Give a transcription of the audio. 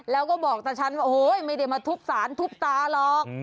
แล้วก็บอกแต่ฉันไม่ได้มาทุบศาลทุบตาหรอก